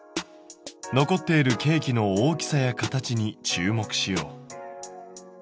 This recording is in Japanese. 残っているケーキの大きさや形に注目しよう。